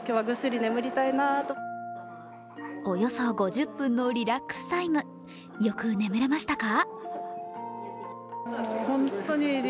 およそ５０分のリラックスタイムよく眠れましたか？